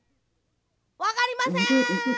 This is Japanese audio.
わかりません！